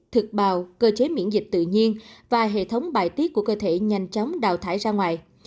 thực bào cơ chế miễn dịch tự nhiên và hệ thống bài tiết của cơ thể nhanh chóng đào thải ra ngoài